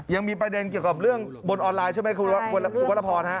ยังมีประเด็นเกี่ยวกับเรื่องบนออนไลน์ใช่ไหมครับคุณพุทธพรครับ